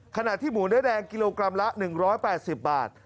ขณะที่หมูเนื้อแดงกิโลกรัมละ๑๘๐บาท